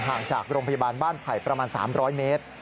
ห่างจากโรงพยาบาลบ้านไผ่ประมาณ๓๐๐เมตร